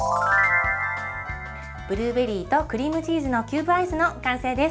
ブルーベリーとクリームチーズのキューブアイスの完成です。